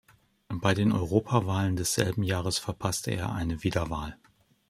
Bei den Europawahlen desselben Jahres verpasste er eine Wiederwahl.